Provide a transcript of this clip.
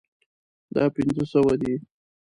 دا پنځه سوه دي